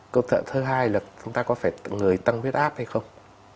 câu thơ thứ hai là chúng ta có phải người tăng viết áp hay không